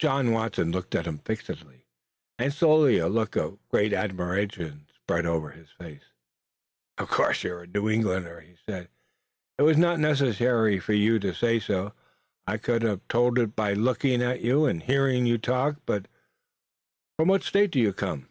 John Watson looked at him fixedly, and slowly a look of great admiration spread over his face. "Of course you're a New Englander," he said. "It was not necessary for you to say so. I could have told it by looking at you and hearing you talk. But from what state do you come?"